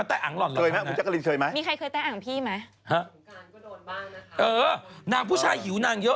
อีตากล้องหล่อที่เราใช้